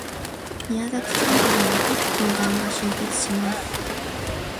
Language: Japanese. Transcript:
宮崎キャンプでは各球団が集結します